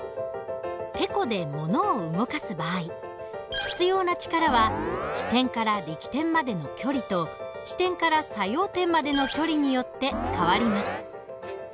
てこで物を動かす場合必要な力は支点から力点までの距離と支点から作用点までの距離によって変わります。